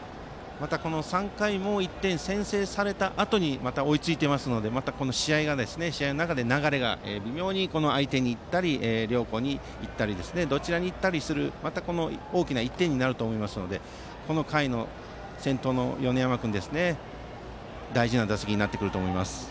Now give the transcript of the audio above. また、３回も１点先制されたあとにまた追いついていますので試合の中で流れが微妙に相手に行ったり両校に行ったり大きな１点になると思いますのでこの回の先頭の米山君大事な打席になると思います。